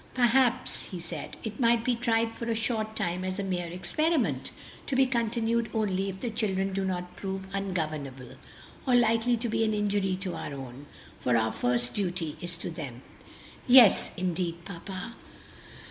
"Perhaps," he said, "it might be tried for a short time as a mere experiment, to be continued only if the children do not prove ungovernable, or likely to be an injury to our own; for our first duty is to them." "Yes indeed, papa!"